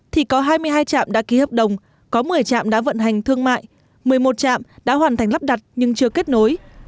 thì có hai mươi hai trạm đã ký hợp đồng có một mươi trạm đã vận hành thương mại một mươi một trạm đã hoàn thành lắp đặt nhưng chưa kết nối